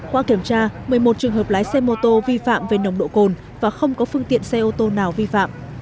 qua kiểm tra một mươi một trường hợp lái xe mô tô vi phạm về nồng độ cồn và không có phương tiện xe ô tô nào vi phạm